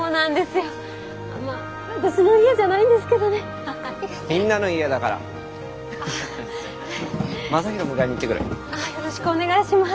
よろしくお願いします。